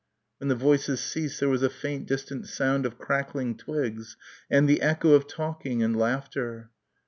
When the voices ceased there was a faint distant sound of crackling twigs and the echo of talking and laughter.